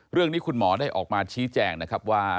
เรื่องนี้คุณหมอได้ออกมาชี้แจงนะครับว่า